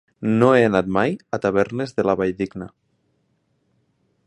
No he anat mai a Tavernes de la Valldigna.